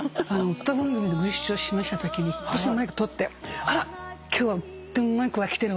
歌番組でご一緒しましたときに私のマイク取って「あら今日はうまい子が来てるわ」